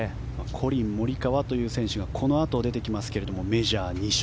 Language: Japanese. コリン・モリカワという選手がこのあと出てきますがメジャー２勝